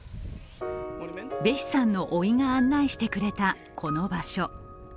ベシさんのおいが案内してれた、この場所。